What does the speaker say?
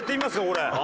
これ。